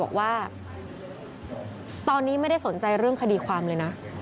บอกว่าตอนนี้ไม่ได้สนใจเรื่องคดีความเลยนะ